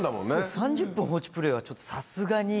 ３０分放置プレーはちょっとさすがに。